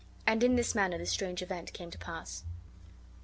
And in this manner this strange event came to pass.